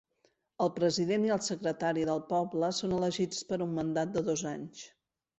El president i el secretari del poble són elegits per a un mandat de dos anys.